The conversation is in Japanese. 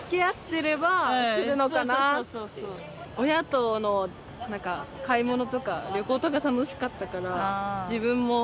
親との買い物とか旅行とか楽しかったから、自分も。